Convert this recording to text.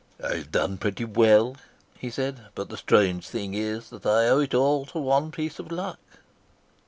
"I've done pretty well," he said, "but the strange thing is that I owe it all to one piece of luck."